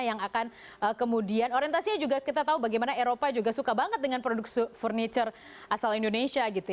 yang akan kemudian orientasinya juga kita tahu bagaimana eropa juga suka banget dengan produk furniture asal indonesia